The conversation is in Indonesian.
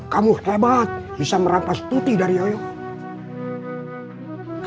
kamu hebat bisa merampas tuti dari allah